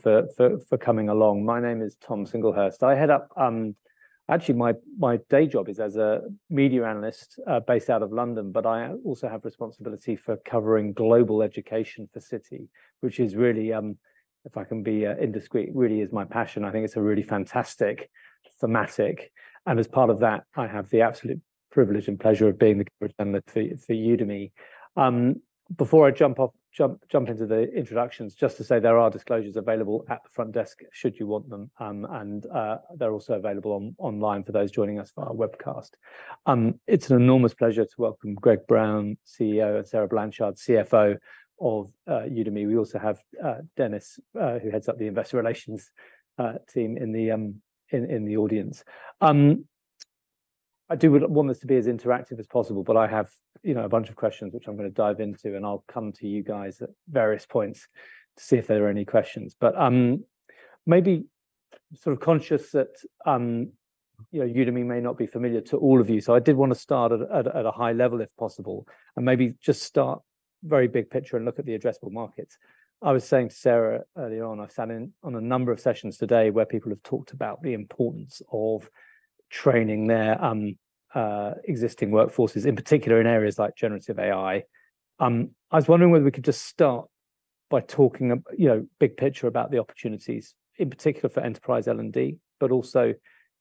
For coming along. My name is Tom Singlehurst. I head up, actually, my day job is as a media analyst, based out of London, but I also have responsibility for covering global education for Citi, which is really, if I can be indiscreet, really is my passion. I think it's a really fantastic thematic, and as part of that, I have the absolute privilege and pleasure of being the presenter for Udemy. Before I jump into the introductions, just to say there are disclosures available at the front desk, should you want them. And, they're also available online for those joining us via webcast. It's an enormous pleasure to welcome Greg Brown, CEO, and Sarah Blanchard, CFO of Udemy. We also have, Dennis, who heads up the investor relations team in the audience. I do want this to be as interactive as possible, but I have, you know, a bunch of questions, which I'm gonna dive into, and I'll come to you guys at various points to see if there are any questions. But, maybe sort of conscious that, you know, Udemy may not be familiar to all of you. So I did want to start at a high level, if possible, and maybe just start very big picture and look at the addressable markets. I was saying to Sarah earlier on, I've sat in on a number of sessions today where people have talked about the importance of training their existing workforces, in particular in areas like generative AI. I was wondering whether we could just start by talking, you know, big picture about the opportunities, in particular for enterprise L&D, but also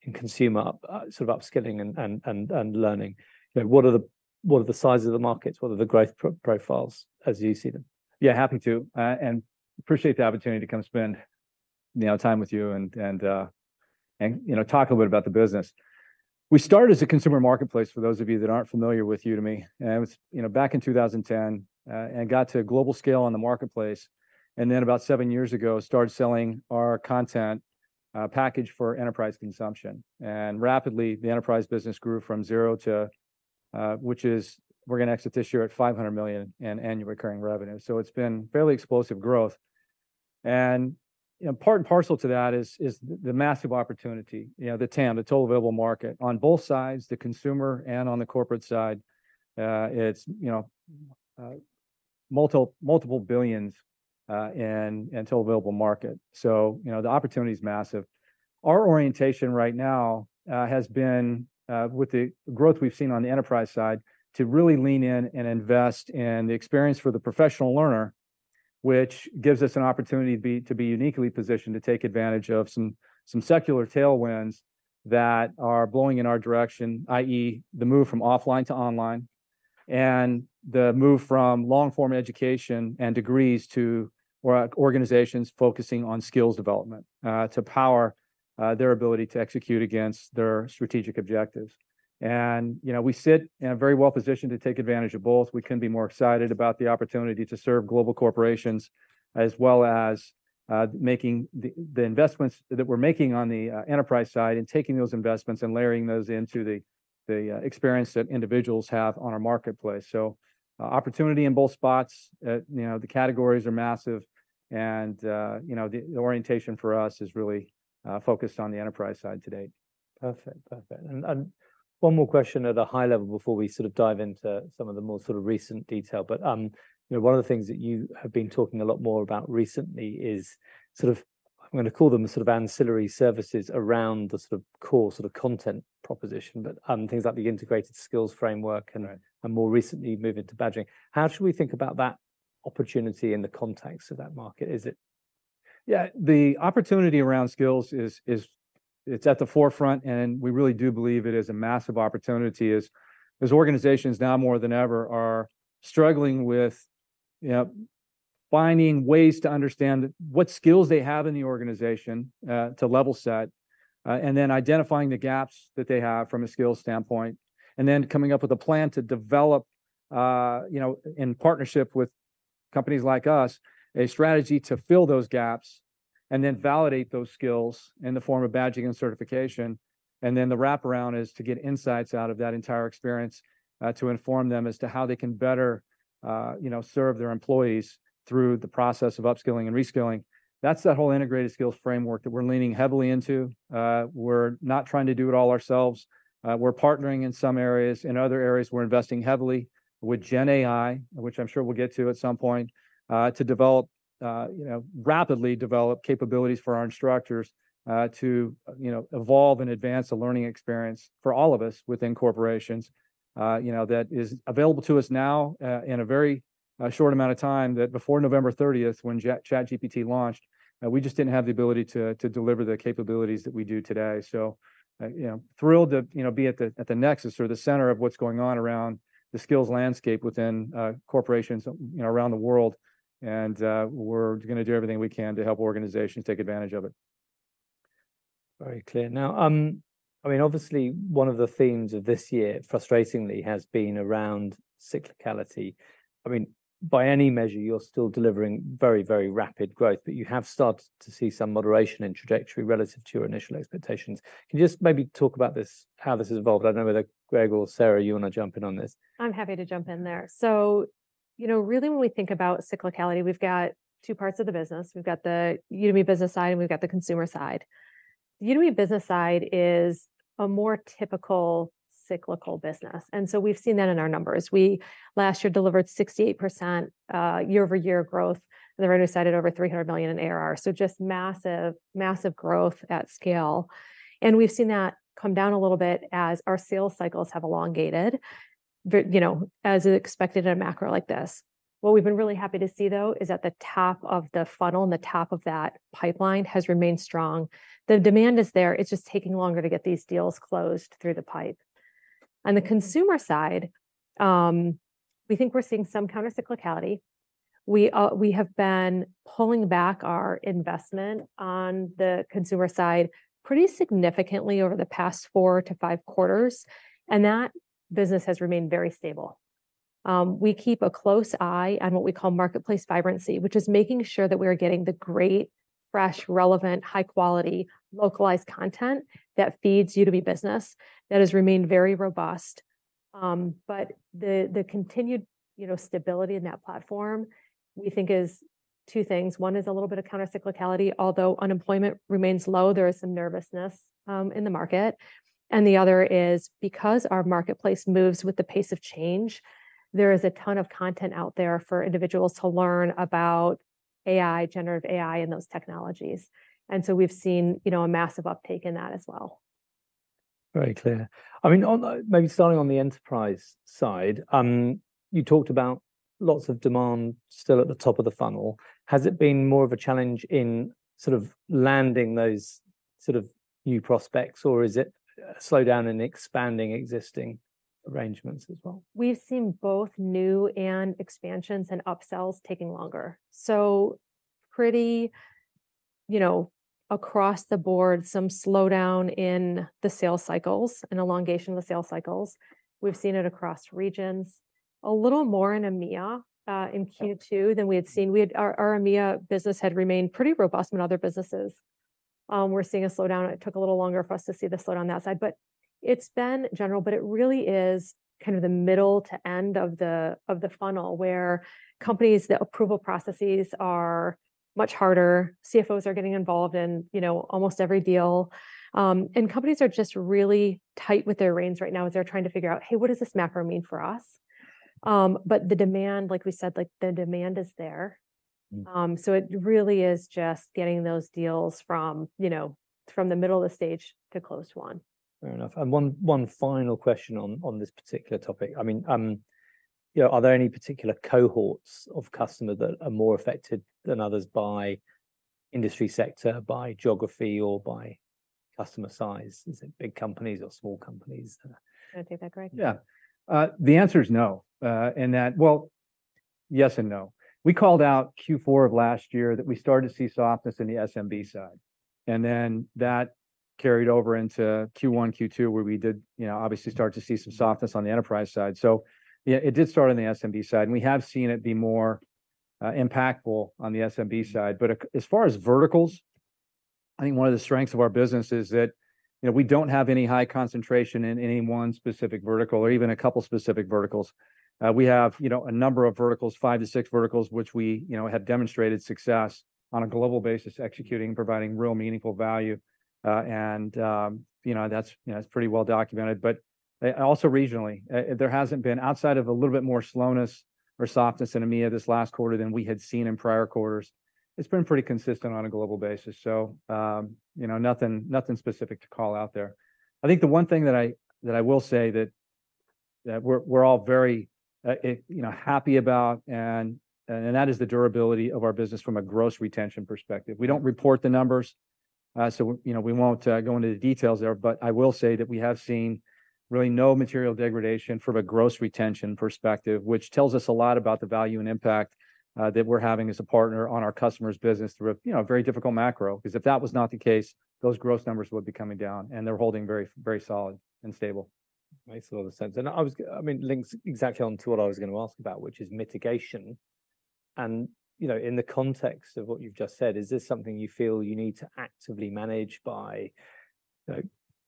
in consumer, sort of upskilling and learning. You know, what are the sizes of the markets? What are the growth profiles as you see them? Yeah, happy to, and appreciate the opportunity to come spend, you know, time with you and, and, you know, talk a bit about the business. We started as a consumer marketplace, for those of you that aren't familiar with Udemy, and it was, you know, back in 2010, and got to a global scale on the marketplace, and then about seven years ago, started selling our content package for enterprise consumption. And rapidly, the enterprise business grew from zero to, which is we're gonna exit this year at $500 million in annual recurring revenue. So it's been fairly explosive growth. And, you know, part and parcel to that is the massive opportunity, you know, the TAM, the total available market. On both sides, the consumer and on the corporate side, it's, you know, multiple billions in total available market. So, you know, the opportunity is massive. Our orientation right now has been, with the growth we've seen on the enterprise side, to really lean in and invest in the experience for the professional learner, which gives us an opportunity to be uniquely positioned to take advantage of some secular tailwinds that are blowing in our direction, i.e., the move from offline to online, and the move from long-form education and degrees to organizations focusing on skills development, to power their ability to execute against their strategic objectives. And, you know, we sit in a very well position to take advantage of both. We couldn't be more excited about the opportunity to serve global corporations, as well as making the investments that we're making on the enterprise side and taking those investments and layering those into the experience that individuals have on our marketplace. So, opportunity in both spots, you know, the categories are massive and, you know, the orientation for us is really focused on the enterprise side today. Perfect. Perfect. And, and one more question at a high level before we sort of dive into some of the more sort of recent detail. But, you know, one of the things that you have been talking a lot more about recently is sort of, I'm gonna call them the sort of ancillary services around the sort of core sort of content proposition, but, things like the Integrated Skills Framework and, and more recently, move into badging. How should we think about that opportunity in the context of that market? Is it- Yeah, the opportunity around skills is... it's at the forefront, and we really do believe it is a massive opportunity, as organizations now, more than ever, are struggling with, you know, finding ways to understand what skills they have in the organization, to level set, and then identifying the gaps that they have from a skills standpoint, and then coming up with a plan to develop, you know, in partnership with companies like us, a strategy to fill those gaps, and then validate those skills in the form of badging and certification. And then the wraparound is to get insights out of that entire experience, to inform them as to how they can better, you know, serve their employees through the process of upskilling and reskilling. That's the whole Integrated Skills Framework that we're leaning heavily into. We're not trying to do it all ourselves. We're partnering in some areas, in other areas, we're investing heavily with Gen AI, which I'm sure we'll get to at some point, to develop, you know, rapidly develop capabilities for our instructors, to, you know, evolve and advance the learning experience for all of us within corporations. You know, that is available to us now, in a very short amount of time, that before November 30th when ChatGPT launched, we just didn't have the ability to deliver the capabilities that we do today. So, you know, thrilled to, you know, be at the nexus or the center of what's going on around the skills landscape within corporations, you know, around the world. And, we're gonna do everything we can to help organizations take advantage of it. Very clear. Now, I mean, obviously, one of the themes of this year, frustratingly, has been around cyclicality. I mean, by any measure, you're still delivering very, very rapid growth, but you have started to see some moderation in trajectory relative to your initial expectations. Can you just maybe talk about this, how this has evolved? I don't know whether, Greg or Sarah, you want to jump in on this. I'm happy to jump in there. So, you know, really, when we think about cyclicality, we've got two parts of the business. We've got the Udemy Business side, and we've got the consumer side. The Udemy Business side is a more typical cyclical business, and so we've seen that in our numbers. We, last year, delivered 68% year-over-year growth, and the revenue was over $300 million in ARR. So just massive, massive growth at scale. And we've seen that come down a little bit as our sales cycles have elongated, you know, as expected in a macro like this. What we've been really happy to see, though, is that the top of the funnel and the top of that pipeline has remained strong. The demand is there, it's just taking longer to get these deals closed through the pipe. On the consumer side, we think we're seeing some countercyclicality. We have been pulling back our investment on the consumer side pretty significantly over the past four to five quarters, and that business has remained very stable. We keep a close eye on what we call marketplace vibrancy, which is making sure that we are getting the great, fresh, relevant, high quality, localized content that feeds Udemy Business. That has remained very robust. But the continued, you know, stability in that platform, we think is two things: one is a little bit of countercyclicality. Although unemployment remains low, there is some nervousness in the market. And the other is because our marketplace moves with the pace of change, there is a ton of content out there for individuals to learn about AI, generative AI, and those technologies. We've seen, you know, a massive uptake in that as well. Very clear. I mean, on the maybe starting on the enterprise side, you talked about lots of demand still at the top of the funnel. Has it been more of a challenge in sort of landing those sort of new prospects, or is it a slowdown in expanding existing arrangements as well? We've seen both new and expansions and upsells taking longer. So pretty, you know, across the board, some slowdown in the sales cycles and elongation of the sales cycles. We've seen it across regions. A little more in EMEA in Q2 than we had seen. Our EMEA business had remained pretty robust when other businesses were seeing a slowdown, and it took a little longer for us to see the slowdown on that side. But it's been general, but it really is kind of the middle to end of the funnel, where companies, the approval processes are much harder. CFOs are getting involved in, you know, almost every deal. And companies are just really tight with their reins right now as they're trying to figure out, "Hey, what does this macro mean for us?" But the demand, like we said, like, the demand is there. Mm. So it really is just getting those deals from, you know, from the middle of the stage to closed one. Fair enough. And one final question on this particular topic. I mean, you know, are there any particular cohorts of customer that are more affected than others by industry sector, by geography, or by customer size? Is it big companies or small companies that are- You wanna take that, Greg? Yeah. The answer is no. And that... Well, yes and no. We called out Q4 of last year, that we started to see softness in the SMB side, and then that carried over into Q1, Q2, where we did, you know, obviously start to see some softness on the enterprise side. So yeah, it did start on the SMB side, and we have seen it be more impactful on the SMB side. Mm. But as far as verticals, I think one of the strengths of our business is that, you know, we don't have any high concentration in any one specific vertical or even a couple specific verticals. We have, you know, a number of verticals, five to six verticals, which we, you know, have demonstrated success on a global basis, executing, providing real, meaningful value. And, you know, that's, you know, it's pretty well documented, but also regionally. There hasn't been, outside of a little bit more slowness or softness in EMEA this last quarter than we had seen in prior quarters, it's been pretty consistent on a global basis. So, you know, nothing, nothing specific to call out there. I think the one thing that I will say that we're all very, you know, happy about, and that is the durability of our business from a gross retention perspective. We don't report the numbers, so, you know, we won't go into the details there. But I will say that we have seen really no material degradation from a gross retention perspective, which tells us a lot about the value and impact that we're having as a partner on our customers' business through a, you know, very difficult macro. Because if that was not the case, those gross numbers would be coming down, and they're holding very, very solid and stable. Makes a lot of sense. I was... I mean, links exactly on to what I was going to ask about, which is mitigation. You know, in the context of what you've just said, is this something you feel you need to actively manage by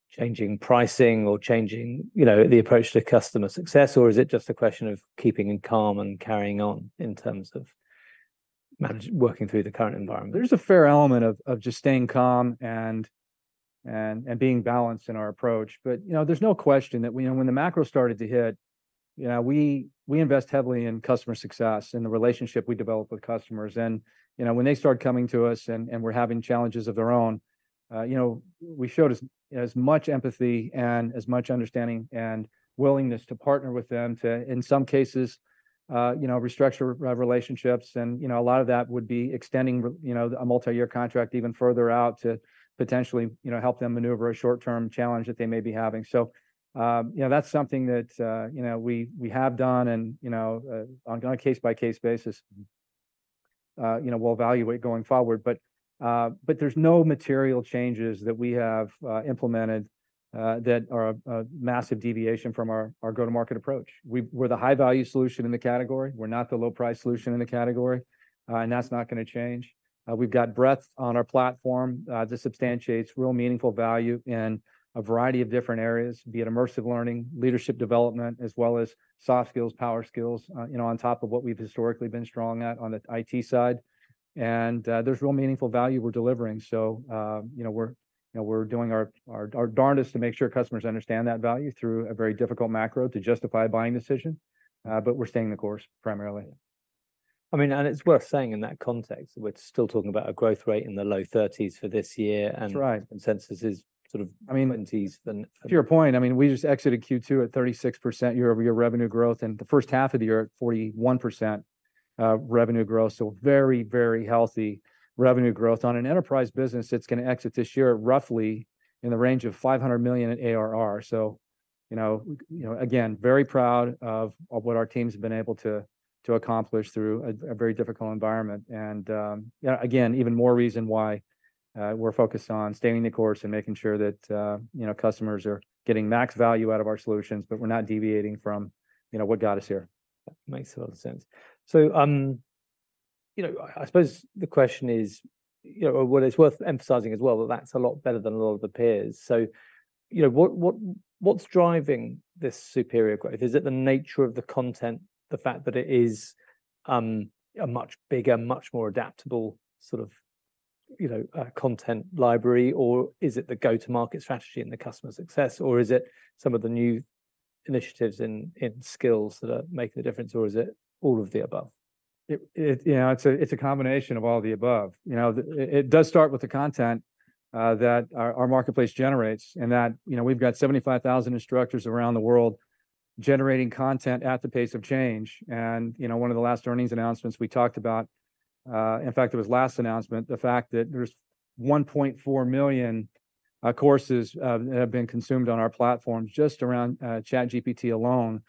changing pricing or changing the approach to customer success? Or is it just a question of keeping calm and carrying on in terms of working through the current environment? There's a fair element of just staying calm and being balanced in our approach. But, you know, there's no question that we know when the macro started to hit, you know, we invest heavily in customer success and the relationship we develop with customers. And, you know, when they start coming to us and they're having challenges of their own, you know, we showed as much empathy and as much understanding and willingness to partner with them to, in some cases, you know, restructure relationships. And, you know, a lot of that would be extending, you know, a multi-year contract even further out to potentially, you know, help them maneuver a short-term challenge that they may be having. So, you know, that's something that, you know, we have done and, you know, on a case-by-case basis, you know, we'll evaluate going forward. But, but there's no material changes that we have implemented that are a massive deviation from our go-to-market approach. We're the high-value solution in the category. We're not the low-price solution in the category, and that's not gonna change. We've got breadth on our platform that substantiates real, meaningful value in a variety of different areas, be it immersive learning, leadership development, as well as soft skills, power skills, you know, on top of what we've historically been strong at on the IT side... and there's real meaningful value we're delivering. You know, we're doing our darndest to make sure customers understand that value through a very difficult macro to justify a buying decision, but we're staying the course primarily. I mean, and it's worth saying in that context, we're still talking about a growth rate in the low 30s for this year, and- That's right Consensus is sort of- I mean- Then- To your point, I mean, we just exited Q2 at 36% year-over-year revenue growth, and the first half of the year, 41% revenue growth. So very, very healthy revenue growth. On an enterprise business, it's gonna exit this year roughly in the range of $500 million in ARR. So, you know, you know, again, very proud of what our team's been able to accomplish through a very difficult environment. And, yeah, again, even more reason why we're focused on staying the course and making sure that you know, customers are getting max value out of our solutions, but we're not deviating from what got us here. Makes a lot of sense. So, you know, I, I suppose the question is, you know, well, it's worth emphasizing as well that that's a lot better than a lot of the peers. So, you know, what, what, what's driving this superior growth? Is it the nature of the content, the fact that it is, a much bigger, much more adaptable sort of, you know, content library? Or is it the go-to market strategy and the customer success, or is it some of the new initiatives and, and skills that are making a difference, or is it all of the above? It... You know, it's a combination of all the above. You know, it does start with the content that our marketplace generates, and that, you know, we've got 75,000 instructors around the world generating content at the pace of change. And, you know, one of the last earnings announcements we talked about... In fact, it was last announcement, the fact that there's 1.4 million courses that have been consumed on our platforms just around ChatGPT alone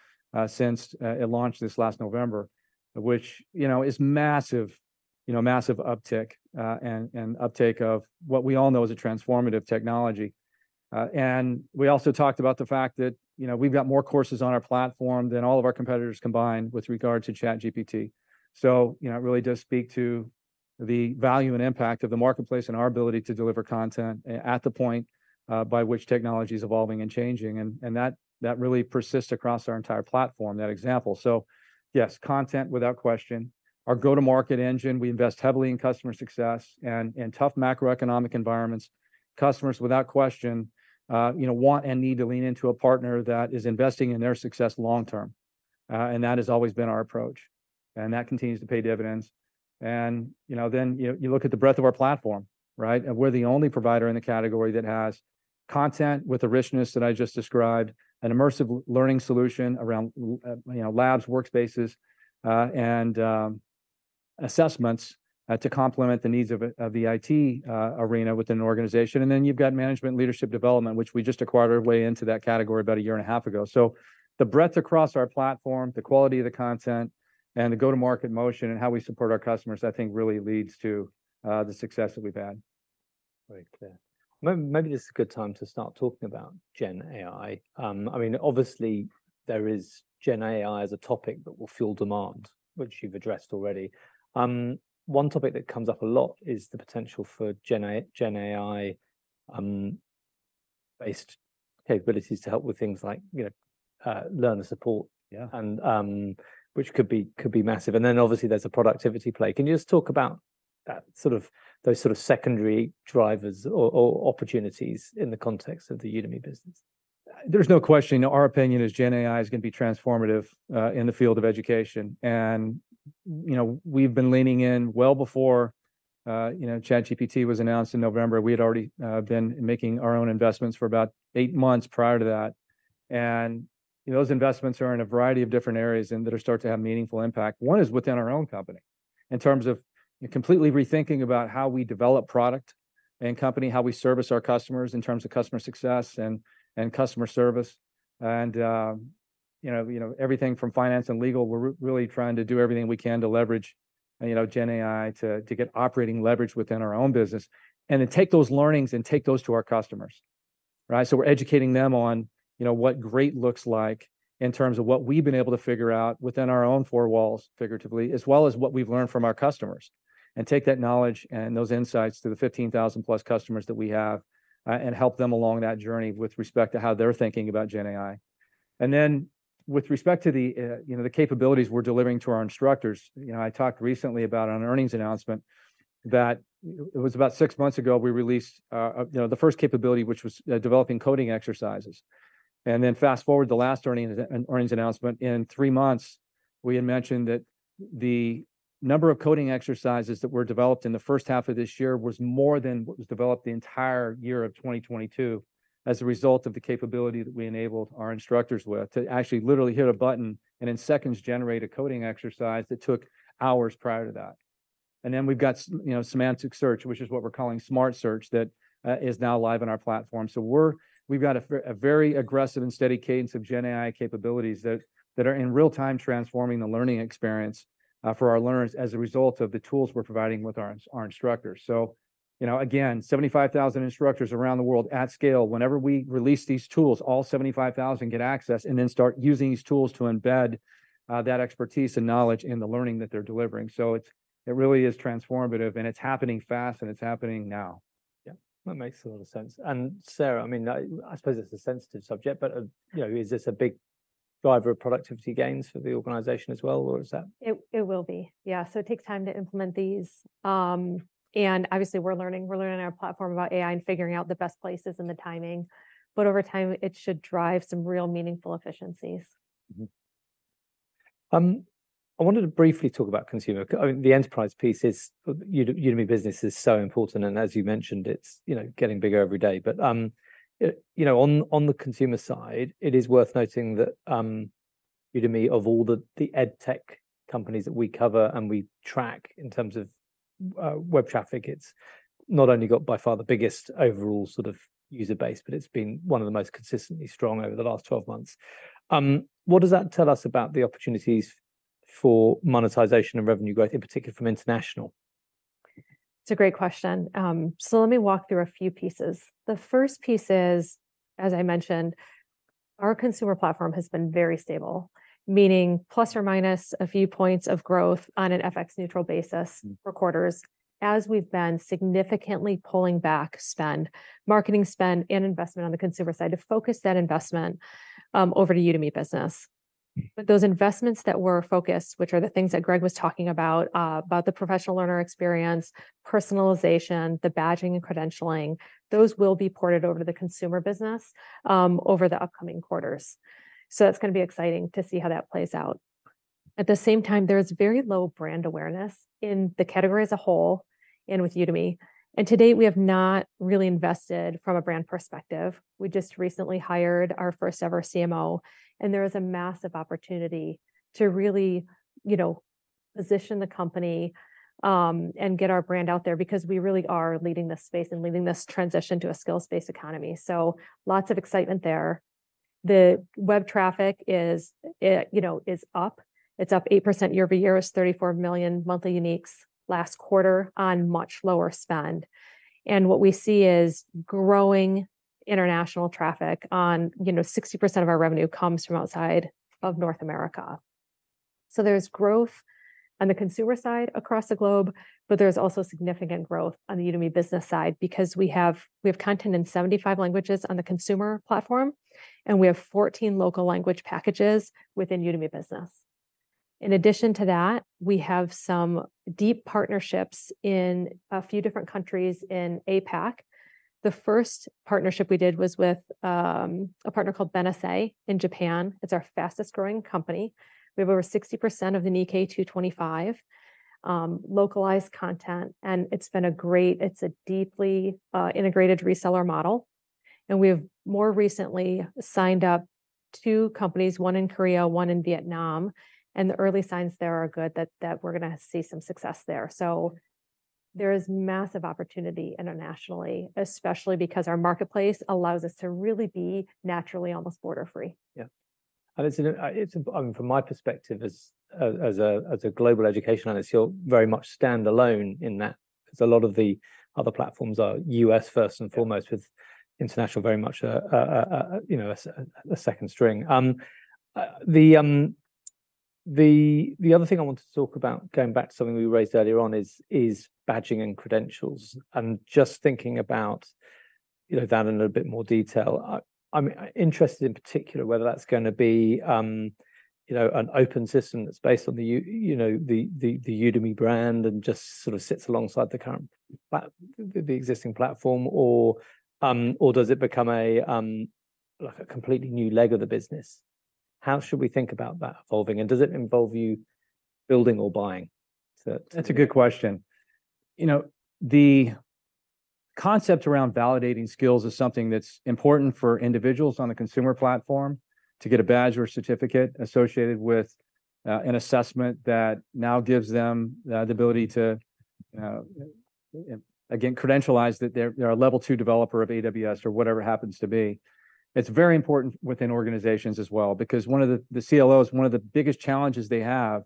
since it launched this last November, which, you know, is massive, you know, massive uptick and uptake of what we all know is a transformative technology. And we also talked about the fact that, you know, we've got more courses on our platform than all of our competitors combined with regard to ChatGPT. So, you know, it really does speak to the value and impact of the marketplace and our ability to deliver content at the point by which technology is evolving and changing, and that really persists across our entire platform, that example. So yes, content without question. Our go-to-market engine, we invest heavily in customer success and, in tough macroeconomic environments, customers, without question, you know, want and need to lean into a partner that is investing in their success long term, and that has always been our approach, and that continues to pay dividends. And, you know, then you look at the breadth of our platform, right? We're the only provider in the category that has content with the richness that I just described, an immersive learning solution around, you know, labs, workspaces, and assessments, to complement the needs of the IT arena within an organization. Then you've got management leadership development, which we just acquired our way into that category about a year and a half ago. The breadth across our platform, the quality of the content, and the go-to-market motion, and how we support our customers, I think, really leads to the success that we've had. Very clear. Maybe this is a good time to start talking about Gen AI. I mean, obviously, there is Gen AI as a topic that will fuel demand, which you've addressed already. One topic that comes up a lot is the potential for Gen AI based capabilities to help with things like, you know, learner support- Yeah... and, which could be massive. And then obviously, there's a productivity play. Can you just talk about that, sort of, those sort of secondary drivers or opportunities in the context of the Udemy business? There's no question. Our opinion is Gen AI is gonna be transformative in the field of education, and, you know, we've been leaning in well before, you know, ChatGPT was announced in November. We had already been making our own investments for about eight months prior to that. And, you know, those investments are in a variety of different areas, and they're starting to have meaningful impact. One is within our own company, in terms of completely rethinking about how we develop product and company, how we service our customers in terms of customer success and customer service. And, you know, everything from finance and legal, we're really trying to do everything we can to leverage, you know, Gen AI, to get operating leverage within our own business, and then take those learnings and take those to our customers. Right? So we're educating them on, you know, what great looks like in terms of what we've been able to figure out within our own four walls, figuratively, as well as what we've learned from our customers. And take that knowledge and those insights to the 15,000+ customers that we have, and help them along that journey with respect to how they're thinking about Gen AI. And then, with respect to the, you know, the capabilities we're delivering to our instructors, you know, I talked recently about on an earnings announcement that it was about six months ago, we released, you know, the first capability, which was, developing coding exercises. And then fast-forward the last earnings announcement, in three months, we had mentioned that the number of coding exercises that were developed in the first half of this year was more than what was developed the entire year of 2022, as a result of the capability that we enabled our instructors with, to actually literally hit a button and in seconds generate a coding exercise that took hours prior to that. And then we've got you know, semantic search, which is what we're calling Smart Search, that is now live on our platform. So we've got a very aggressive and steady cadence of Gen AI capabilities that are in real-time transforming the learning experience for our learners as a result of the tools we're providing with our instructors. So, you know, again, 75,000 instructors around the world at scale. Whenever we release these tools, all 75,000 get access, and then start using these tools to embed that expertise and knowledge in the learning that they're delivering. So it really is transformative, and it's happening fast, and it's happening now. Yeah, that makes a lot of sense. And Sarah, I mean, I suppose it's a sensitive subject, but, you know, is this a big driver of productivity gains for the organization as well, or is that- It will be. Yeah, so it takes time to implement these. And obviously we're learning our platform about AI and figuring out the best places and the timing, but over time, it should drive some real meaningful efficiencies. Mm-hmm. I wanted to briefly talk about consumer. I mean, the enterprise piece is, Udemy Business is so important, and as you mentioned, it's, you know, getting bigger every day. But, you know, on, on the consumer side, it is worth noting that, Udemy, of all the, the ed tech companies that we cover and we track in terms of, web traffic, it's not only got by far the biggest overall sort of user base, but it's been one of the most consistently strong over the last 12 months. What does that tell us about the opportunities for monetization and revenue growth, in particular from international? It's a great question. So let me walk through a few pieces. The first piece is, as I mentioned, our consumer platform has been very stable, meaning plus or minus a few points of growth on an FX neutral basis for quarters. As we've been significantly pulling back spend, marketing spend and investment on the consumer side, to focus that investment over to Udemy Business. But those investments that we're focused, which are the things that Greg was talking about, about the professional learner experience, personalization, the badging and credentialing, those will be ported over to the consumer business over the upcoming quarters. So it's gonna be exciting to see how that plays out. At the same time, there's very low brand awareness in the category as a whole and with Udemy, and to date we have not really invested from a brand perspective. We just recently hired our first ever CMO, and there is a massive opportunity to really, you know, position the company, and get our brand out there, because we really are leading this space and leading this transition to a skills-based economy, so lots of excitement there. The web traffic is, you know, is up. It's up 8% year-over-year. It's 34 million monthly uniques last quarter on much lower spend. And what we see is growing international traffic on. You know, 60% of our revenue comes from outside of North America. So there's growth on the consumer side across the globe, but there's also significant growth on the Udemy Business side, because we have, we have content in 75 languages on the consumer platform, and we have 14 local language packages within Udemy Business. In addition to that, we have some deep partnerships in a few different countries in APAC. The first partnership we did was with a partner called Benesse in Japan. It's our fastest growing company. We have over 60% of the Nikkei 225 localized content, and it's a deeply integrated reseller model. And we have more recently signed up two companies, one in Korea, one in Vietnam, and the early signs there are good that we're gonna see some success there. So there is massive opportunity internationally, especially because our marketplace allows us to really be naturally almost border-free. Yeah. And it's a... From my perspective, as a global education analyst, you're very much standalone in that, because a lot of the other platforms are U.S. first and foremost- Yeah... with international very much you know a second string. The other thing I wanted to talk about, going back to something we raised earlier on, is badging and credentials. And just thinking about, you know, that in a little bit more detail. I'm interested in particular whether that's gonna be, you know, an open system that's based on the Udemy brand and just sort of sits alongside the existing platform, or does it become a like a completely new leg of the business? How should we think about that evolving, and does it involve you building or buying? So- That's a good question. You know, the concept around validating skills is something that's important for individuals on a consumer platform to get a badge or certificate associated with an assessment that now gives them the ability to again credentialize that they're a level two developer of AWS or whatever it happens to be. It's very important within organizations as well, because one of the... The CLOs, one of the biggest challenges they have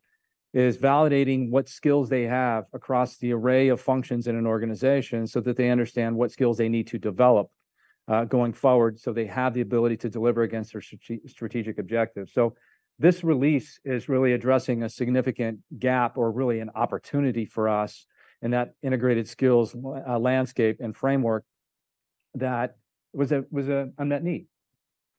is validating what skills they have across the array of functions in an organization, so that they understand what skills they need to develop going forward, so they have the ability to deliver against their strategic objectives. So this release is really addressing a significant gap or really an opportunity for us in that integrated skills landscape and framework that was an unmet need.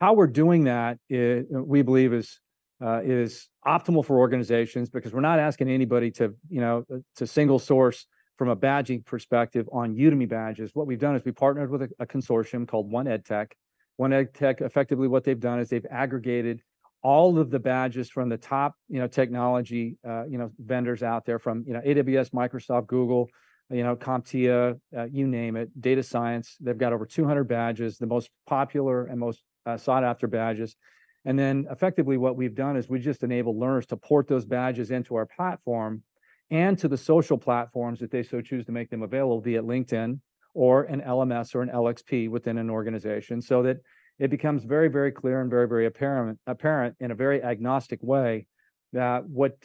How we're doing that is, we believe is, is optimal for organizations, because we're not asking anybody to, you know, to single source from a badging perspective on Udemy badges. What we've done is we've partnered with a consortium called 1EdTech. 1EdTech, effectively what they've done is they've aggregated all of the badges from the top, you know, technology, you know, vendors out there from, you know, AWS, Microsoft, Google, you know, CompTIA, you name it, data science. They've got over 200 badges, the most popular and most sought-after badges. And then, effectively what we've done is we've just enabled learners to port those badges into our platform and to the social platforms if they so choose to make them available, be it LinkedIn or an LMS or an LXP within an organization. So that it becomes very, very clear and very, very apparent, apparent in a very agnostic way, that what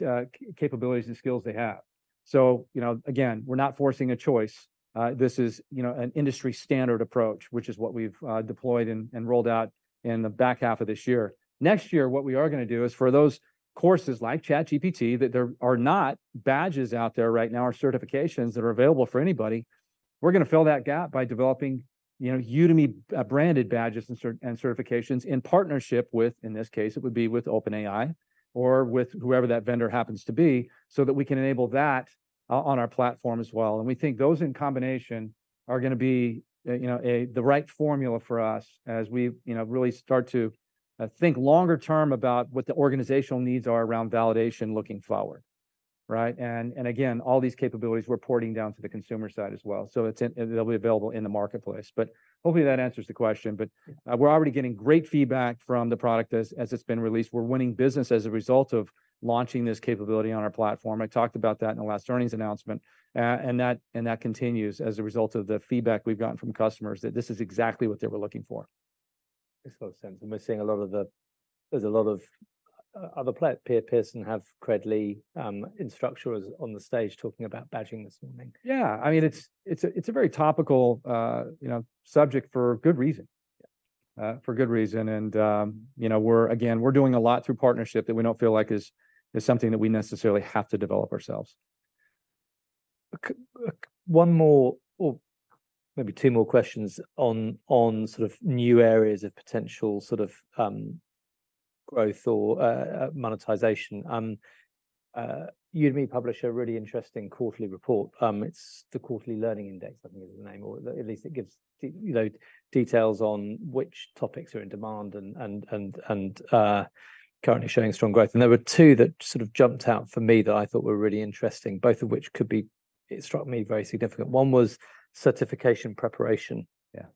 capabilities and skills they have. So, you know, again, we're not forcing a choice. This is, you know, an industry-standard approach, which is what we've deployed and rolled out in the back half of this year. Next year, what we are gonna do is, for those courses like ChatGPT, that there are not badges out there right now, or certifications that are available for anybody. We're gonna fill that gap by developing, you know, Udemy branded badges and certifications in partnership with, in this case, it would be with OpenAI or with whoever that vendor happens to be, so that we can enable that on our platform as well. We think those in combination are gonna be, you know, the right formula for us as we, you know, really start to think longer term about what the organizational needs are around validation looking forward, right? And again, all these capabilities we're porting down to the consumer side as well. So they'll be available in the marketplace, but hopefully that answers the question. But, we're already getting great feedback from the product as it's been released. We're winning business as a result of launching this capability on our platform. I talked about that in the last earnings announcement, and that continues as a result of the feedback we've gotten from customers, that this is exactly what they were looking for. Makes a lot of sense. And we're seeing a lot of other platforms. Pearson has Credly, instructors on the stage talking about badging this morning. Yeah, I mean, it's a very topical, you know, subject for good reason. Yeah. For good reason, and you know, we're again, we're doing a lot through partnership that we don't feel like is something that we necessarily have to develop ourselves. One more or maybe two more questions on sort of new areas of potential sort of growth or monetization. Udemy publish a really interesting quarterly report. It's the Quarterly Learning Index, I think is the name, or at least it gives you know, details on which topics are in demand and currently showing strong growth. And there were two that sort of jumped out for me that I thought were really interesting, both of which could be. It struck me very significant. One was certification preparation. Yeah.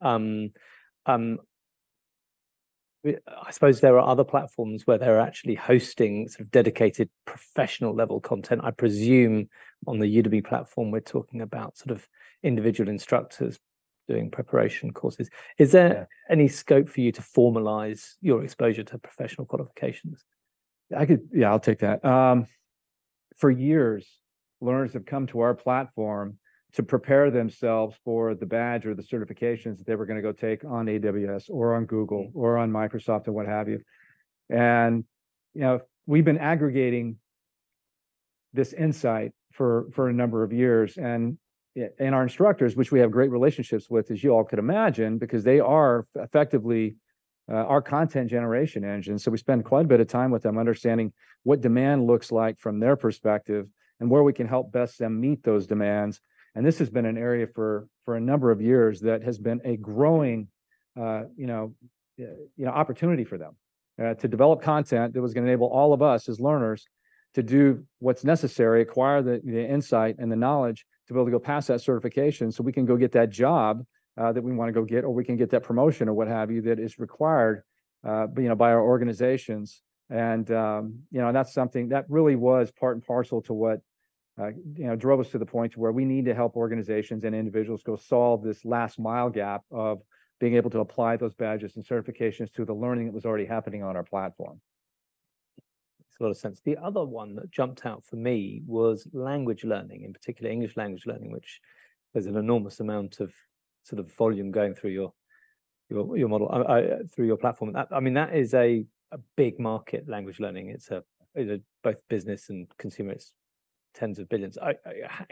I suppose there are other platforms where they're actually hosting sort of dedicated professional level content. I presume on the Udemy platform, we're talking about sort of individual instructors doing preparation courses. Yeah. Is there any scope for you to formalize your exposure to professional qualifications? Yeah, I'll take that. For years, learners have come to our platform to prepare themselves for the badge or the certifications that they were gonna go take on AWS or on Google, or on Microsoft or what have you. And, you know, we've been aggregating this insight for a number of years. And, yeah, and our instructors, which we have great relationships with, as you all could imagine, because they are effectively, our content generation engine. So we spend quite a bit of time with them, understanding what demand looks like from their perspective, and where we can help best them meet those demands. And this has been an area for a number of years that has been a growing, you know, you know, opportunity for them. To develop content that was gonna enable all of us, as learners, to do what's necessary, acquire the insight and the knowledge, to be able to go pass that certification, so we can go get that job that we wanna go get, or we can get that promotion or what have you, that is required, you know, by our organizations. And, you know, and that's something that really was part and parcel to what, you know, drove us to the point to where we need to help organizations and individuals go solve this last mile gap of being able to apply those badges and certifications to the learning that was already happening on our platform. Makes a lot of sense. The other one that jumped out for me was language learning, in particular English language learning, which there's an enormous amount of sort of volume going through your model through your platform. That—I mean, that is a big market, language learning. It's both business and consumer, it's $10s of billions.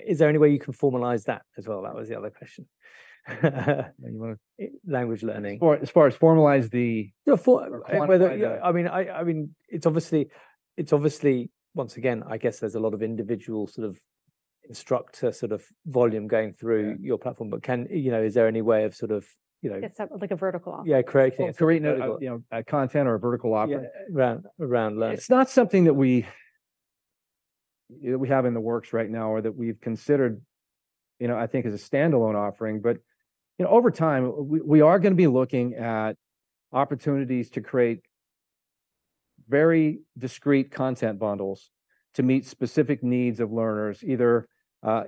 Is there any way you can formalize that as well? That was the other question. You wanna- Language learning. As far as formalize the- No, for-... or quantify it? I mean, it's obviously... Once again, I guess there's a lot of individual sort of instructor, sort of volume going through- Yeah... your platform, but can... You know, is there any way of sort of, you know- Yes, like a vertical offering. Yeah, correct. Create, you know, a content or a vertical offering. Yeah, around, around learning. It's not something that we, we have in the works right now or that we've considered, you know, I think as a standalone offering. But, you know, over time, we, we are gonna be looking at opportunities to create very discrete content bundles to meet specific needs of learners, either,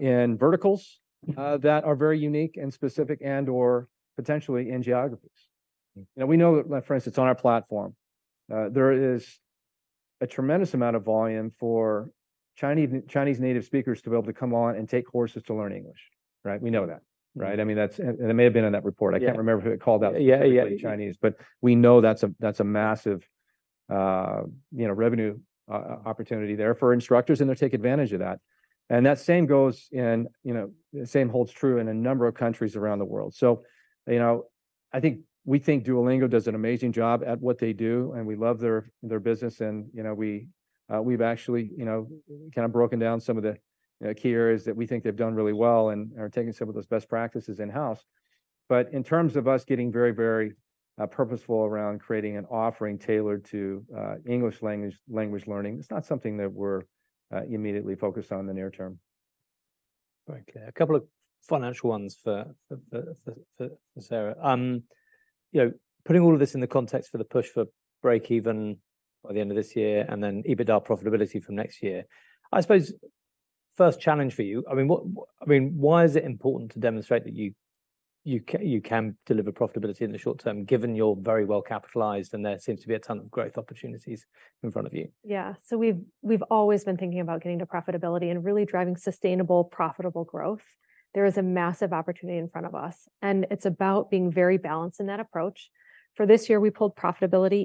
in verticals- Mm-hmm... that are very unique and specific, and/or potentially in geographies. Now, we know that, for instance, on our platform, there is a tremendous amount of volume for Chinese, Chinese native speakers to be able to come on and take courses to learn English, right? We know that, right? I mean, that's... And it may have been in that report. Yeah. I can't remember who it called out. Yeah, yeah... Chinese, but we know that's a, that's a massive, you know, revenue opportunity there for instructors, and they take advantage of that. And that same goes in, you know, the same holds true in a number of countries around the world. So, you know, we think Duolingo does an amazing job at what they do, and we love their, their business. And, you know, we, we've actually, you know, kind of broken down some of the key areas that we think they've done really well and are taking some of those best practices in-house. But in terms of us getting very, very purposeful around creating an offering tailored to English language, language learning, it's not something that we're immediately focused on in the near term. Okay. A couple of financial ones for Sarah. You know, putting all of this in the context for the push for break even by the end of this year, and then EBITDA profitability from next year, I suppose-... first challenge for you. I mean, I mean, why is it important to demonstrate that you can deliver profitability in the short term, given you're very well capitalized, and there seems to be a ton of growth opportunities in front of you? Yeah. So we've always been thinking about getting to profitability and really driving sustainable, profitable growth. There is a massive opportunity in front of us, and it's about being very balanced in that approach. For this year, we pulled profitability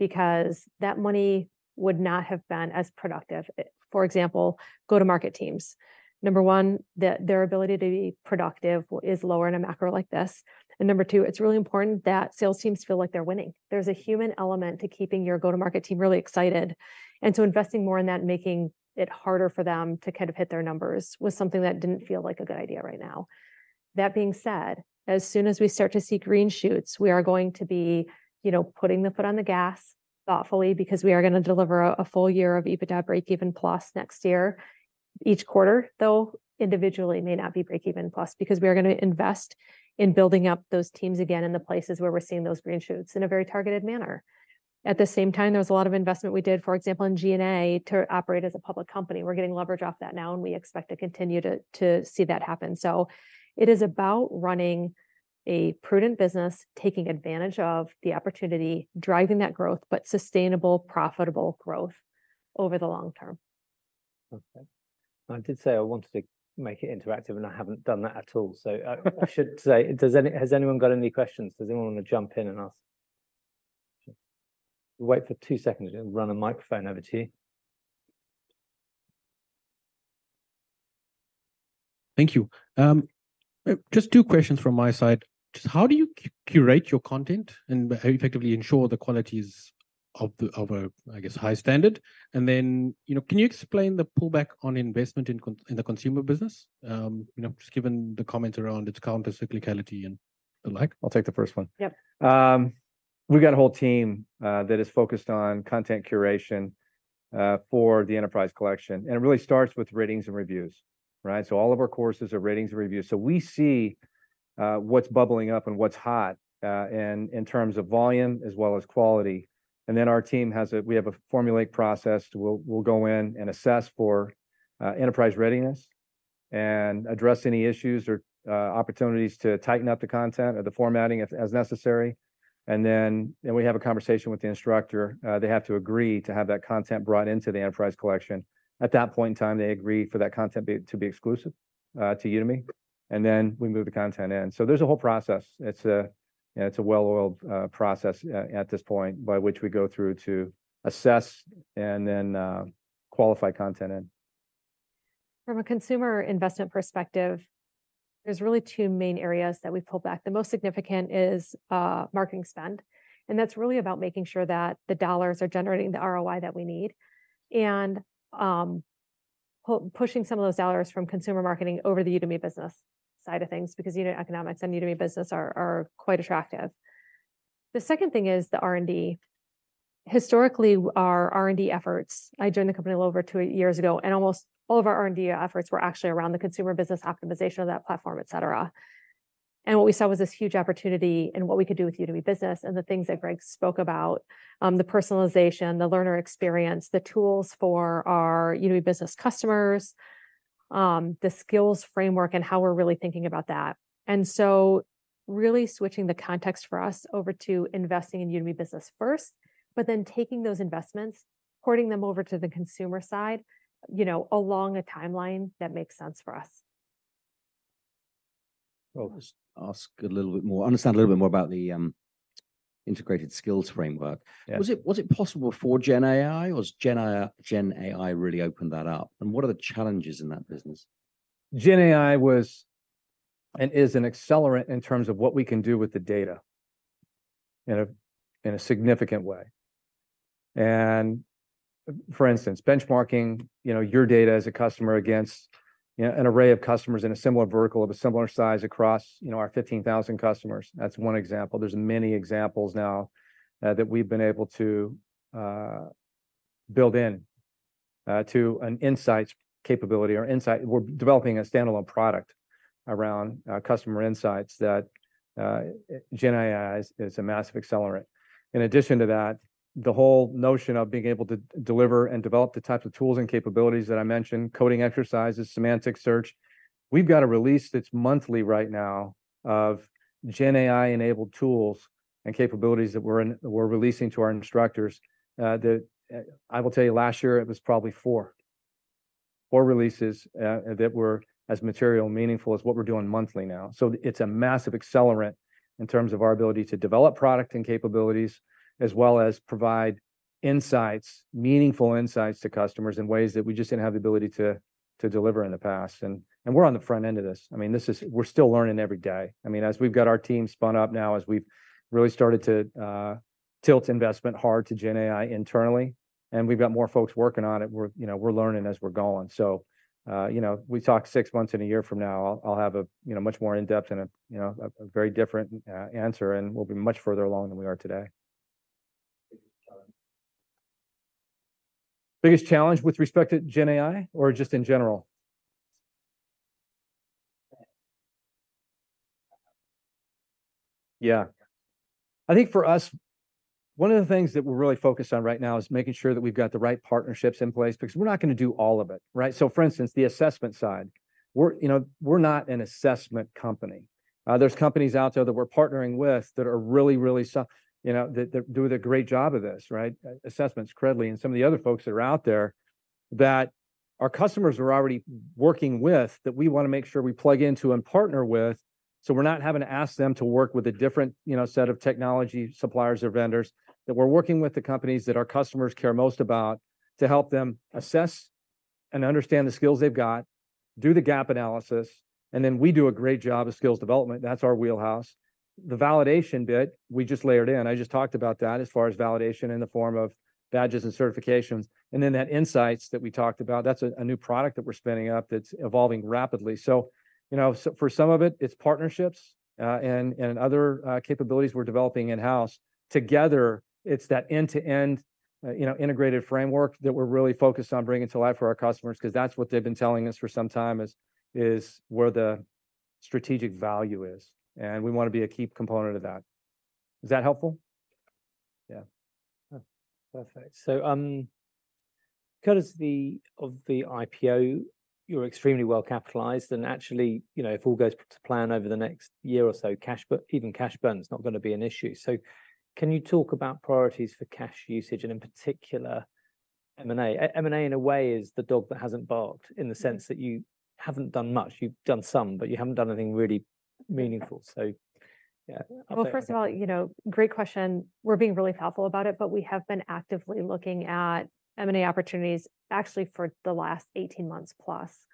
in because that money would not have been as productive. For example, go-to-market teams. Number one, their ability to be productive is lower in a macro like this. And number two, it's really important that sales teams feel like they're winning. There's a human element to keeping your go-to-market team really excited, and so investing more in that, making it harder for them to kind of hit their numbers was something that didn't feel like a good idea right now. That being said, as soon as we start to see green shoots, we are going to be, you know, putting the foot on the gas thoughtfully because we are gonna deliver a full year of EBITDA breakeven plus next year. Each quarter, though, individually may not be breakeven plus, because we are gonna invest in building up those teams again in the places where we're seeing those green shoots in a very targeted manner. At the same time, there was a lot of investment we did, for example, in G&A to operate as a public company. We're getting leverage off that now, and we expect to continue to see that happen. So it is about running a prudent business, taking advantage of the opportunity, driving that growth, but sustainable, profitable growth over the long term. Okay. I did say I wanted to make it interactive, and I haven't done that at all. So, I should say, has anyone got any questions? Does anyone want to jump in and ask? We'll wait for two seconds and run a microphone over to you. Thank you. Just two questions from my side. Just how do you curate your content and how do you effectively ensure the quality is of a, I guess, high standard? And then, you know, can you explain the pullback on investment in the consumer business, you know, just given the comments around its counter cyclicality and the like? I'll take the first one. Yep. We've got a whole team that is focused on content curation for the enterprise collection, and it really starts with ratings and reviews, right? So all of our courses are ratings and reviews. So we see what's bubbling up and what's hot in terms of volume as well as quality. And then our team has—we have a formal process. We'll go in and assess for enterprise readiness and address any issues or opportunities to tighten up the content or the formatting as necessary. And then we have a conversation with the instructor. They have to agree to have that content brought into the enterprise collection. At that point in time, they agree for that content to be exclusive to Udemy, and then we move the content in. So there's a whole process. It's a well-oiled process at this point by which we go through to assess and then qualify content in. From a consumer investment perspective, there's really two main areas that we've pulled back. The most significant is, marketing spend, and that's really about making sure that the dollars are generating the ROI that we need. And, pushing some of those dollars from consumer marketing over the Udemy Business side of things because unit economics and Udemy Business are quite attractive. The second thing is the R&D. Historically, our R&D efforts... I joined the company a little over two years ago, and almost all of our R&D efforts were actually around the consumer business optimization of that platform, et cetera. What we saw was this huge opportunity in what we could do with Udemy Business and the things that Greg spoke about, the personalization, the learner experience, the tools for our Udemy Business customers, the skills framework and how we're really thinking about that. So really switching the context for us over to investing in Udemy Business first, but then taking those investments, porting them over to the consumer side, you know, along a timeline that makes sense for us. Well, just ask a little bit more, understand a little bit more about the Integrated Skills Framework. Yeah. Was it possible for Gen AI, or has Gen AI really opened that up? And what are the challenges in that business? Gen AI was and is an accelerant in terms of what we can do with the data in a significant way. For instance, benchmarking, you know, your data as a customer against, you know, an array of customers in a similar vertical of a similar size across, you know, our 15,000 customers. That's one example. There's many examples now that we've been able to build into an insights capability or insight. We're developing a standalone product around customer insights that gen AI is a massive accelerant. In addition to that, the whole notion of being able to deliver and develop the types of tools and capabilities that I mentioned, coding exercises, semantic search. We've got a release that's monthly right now of gen AI-enabled tools and capabilities that we're releasing to our instructors. That, I will tell you, last year it was probably four, four releases that were as material meaningful as what we're doing monthly now. So it's a massive accelerant in terms of our ability to develop product and capabilities, as well as provide insights, meaningful insights to customers in ways that we just didn't have the ability to deliver in the past. And we're on the front end of this. I mean, this is—we're still learning every day. I mean, as we've got our team spun up now, as we've really started to tilt investment hard to Gen AI internally, and we've got more folks working on it, we're, you know, we're learning as we're going. So, you know, we talk six months and a year from now, I'll have a, you know, much more in-depth and a, you know, a very different answer, and we'll be much further along than we are today. Biggest challenge. Biggest challenge with respect to gen AI or just in general? Yeah. I think for us, one of the things that we're really focused on right now is making sure that we've got the right partnerships in place, because we're not gonna do all of it, right? So for instance, the assessment side, we're, you know, we're not an assessment company. There's companies out there that we're partnering with that are really, really, you know, they're, they're doing a great job of this, right? Assessments, Credly, and some of the other folks that are out there, that our customers are already working with, that we wanna make sure we plug into and partner with, so we're not having to ask them to work with a different, you know, set of technology, suppliers or vendors. That we're working with the companies that our customers care most about, to help them assess and understand the skills they've got, do the gap analysis, and then we do a great job of skills development. That's our wheelhouse. The validation bit, we just layered in. I just talked about that as far as validation in the form of badges and certifications. And then that insights that we talked about, that's a new product that we're spinning up, that's evolving rapidly. So, you know, so for some of it, it's partnerships, and other capabilities we're developing in-house. Together, it's that end-to-end, you know, integrated framework that we're really focused on bringing to life for our customers, 'cause that's what they've been telling us for some time, is where the strategic value is, and we wanna be a key component of that. Is that helpful? Yeah. Perfect. So, because of the IPO, you're extremely well capitalized, and actually, you know, if all goes to plan over the next year or so, cash, even cash burn's not gonna be an issue. So can you talk about priorities for cash usage, and in particular, M&A? M&A, in a way, is the dog that hasn't barked, in the sense that you haven't done much. You've done some, but you haven't done anything really meaningful. So, yeah- Well, first of all, you know, great question. We're being really thoughtful about it, but we have been actively looking at M&A opportunities, actually for the last 18 months plus.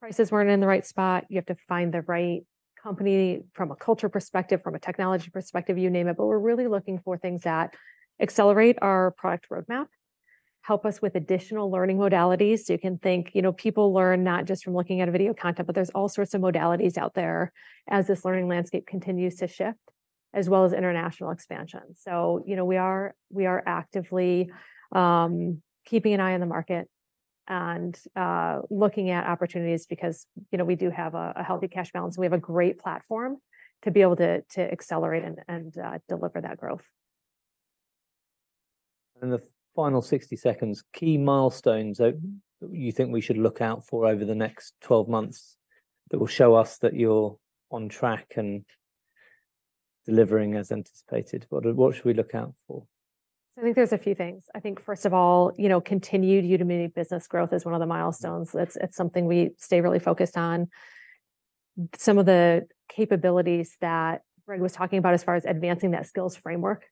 Prices weren't in the right spot, you have to find the right company from a culture perspective, from a technology perspective, you name it. But we're really looking for things that accelerate our product roadmap, help us with additional learning modalities. You can think, you know, people learn not just from looking at a video content, but there's all sorts of modalities out there as this learning landscape continues to shift, as well as international expansion. So, you know, we are, we are actively, keeping an eye on the market and, looking at opportunities, because, you know, we do have a, a healthy cash balance. We have a great platform to be able to accelerate and deliver that growth. In the final 60 seconds, key milestones that, you think we should look out for over the next 12 months, that will show us that you're on track and delivering as anticipated. What, what should we look out for? So I think there's a few things. I think, first of all, you know, continued Udemy Business growth is one of the milestones. It's something we stay really focused on. Some of the capabilities that Greg was talking about as far as advancing that skills framework,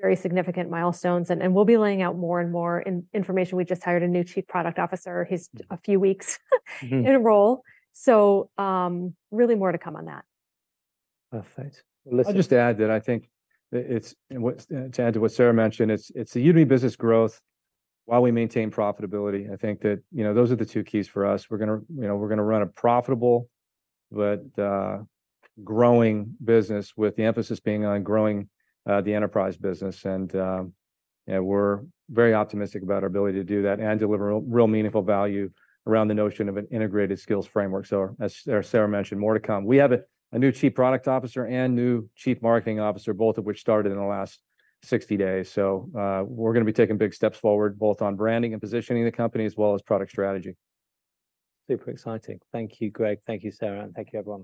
very significant milestones, and we'll be laying out more and more information. We just hired a new Chief Product Officer. He's a few weeks- Mm-hmm.... in role, so, really more to come on that. Perfect. Let's- I'll just add that I think that it's to add to what Sarah mentioned, it's the Udemy Business growth while we maintain profitability. I think that, you know, those are the two keys for us. We're gonna, you know, we're gonna run a profitable, but growing business, with the emphasis being on growing the enterprise business. And yeah, we're very optimistic about our ability to do that, and deliver real meaningful value around the notion of an Integrated Skills Framework. So, as Sarah mentioned, more to come. We have a new Chief Product Officer and new Chief Marketing Officer, both of which started in the last 60 days. So, we're gonna be taking big steps forward, both on branding and positioning the company, as well as product strategy. Super exciting. Thank you, Greg, thank you, Sarah, and thank you, everyone.